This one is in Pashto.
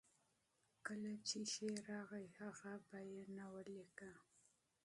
کله چې شعر راغی، هغه به یې نه ولیکه.